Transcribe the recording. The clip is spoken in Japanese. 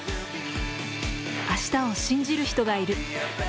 明日を信じる人がいる。